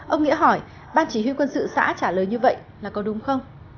ông nghĩa hỏi ban chỉ huy quân sự xã trả lời như vậy là có đúng không